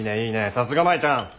さすが舞ちゃん。